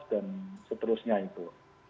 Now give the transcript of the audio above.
dan seterusnya itu